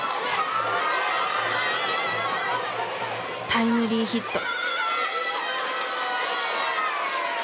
タイムリーヒット。